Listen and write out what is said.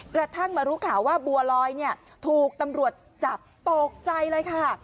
กระทั่งมารู้ข่าวว่าบัวลอยถูกตำรวจจับตกใจเลยค่ะ